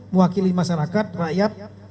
mewakili masyarakat rakyat